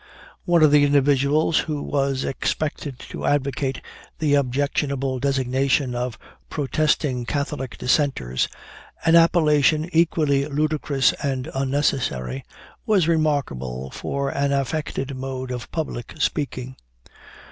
One of the individuals who was expected to advocate the objectionable designation of "protesting Catholic dissenters," an appellation equally ludicrous and unnecessary, was remarkable for an affected mode of public speaking.